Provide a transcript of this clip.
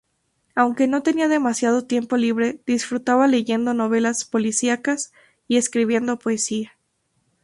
Aunque no tenía demasiado tiempo libre, disfrutaba leyendo novelas policíacas y escribiendo poesía.